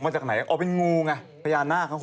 ๖๖๖มาจากไหนเอาเป็นงูไงพญานาค๖๖๖